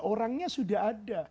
orangnya sudah ada